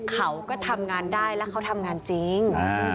เขาก็ทำงานได้แล้วเขาทำงานจริง